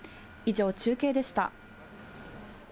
以上、中継でした。